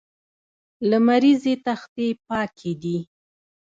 لمریزې تختې پاکې دي.